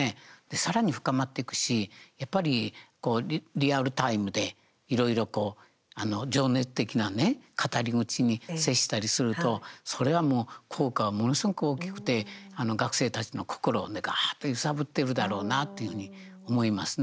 さらに深まっていくしやっぱり、リアルタイムでいろいろ情熱的なね語り口に接したりすると、それはもう効果はものすごく大きくて学生たちの心をね、がっと揺さぶってるだろうなというふうに思いますね。